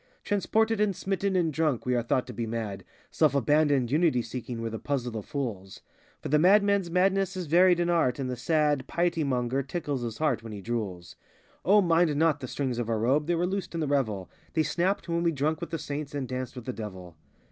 Transported and smitten and drunk, we are thought to be mad; Self abandoned, unity seeking, we're the puzzle of fools; For the madman's madness is varied in art, and the sad Piety monger tickles his heart while he drools. O, mind not the strings of our robe, they were loosed in the revel;— They snapped when we drank with the saint and danced with the devil.